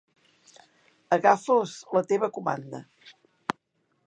Agafa'ls la teva comanda.